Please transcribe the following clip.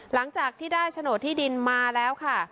หลังจากที่ได้โฉนดที่ดินมาแล้วค่ะ